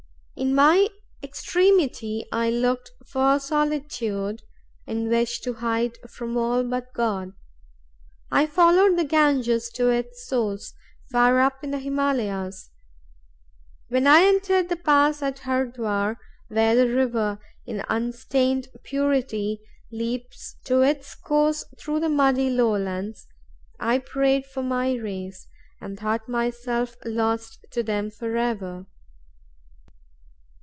In my extremity, I looked for a solitude in which to hide from all but God. I followed the Ganges to its source, far up in the Himalayas. When I entered the pass at Hurdwar, where the river, in unstained purity, leaps to its course through the muddy lowlands, I prayed for my race, and thought myself lost to them forever.